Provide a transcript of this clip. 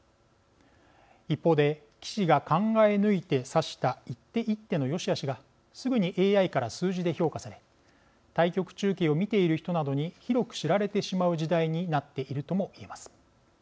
一方で、棋士が考え抜いて指した一手一手のよしあしがすぐにＡＩから数字で評価され対局中継を見ている人などに広く知られてしまう時代になっているとも言えます。